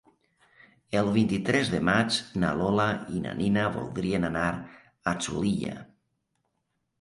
El vint-i-tres de maig na Lola i na Nina voldrien anar a Xulilla.